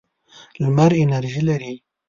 لمر انرژي لري.